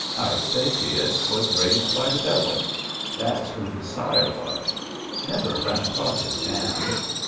Erastasius was raised by the Devil. That's who his sire was. Never ran across his dam.